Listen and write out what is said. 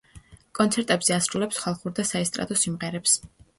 კონცერტებზე ასრულებს ხალხურ და საესტრადო სიმღერებს.